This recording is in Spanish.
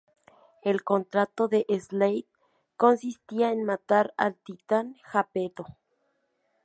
El contrato de Slade consistía en matar al Titán Jápeto.